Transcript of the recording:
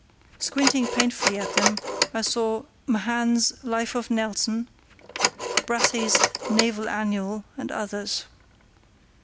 Squinting painfully at them I saw Mahan's Life of Nelson, Brassey's Naval Annual, and others.